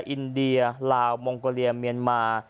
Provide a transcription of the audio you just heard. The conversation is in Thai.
อินเดียลาวมองโกเลียเมียนมา